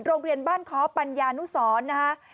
โรงเรียนบ้านค้อปัญญานุสรนะฮะ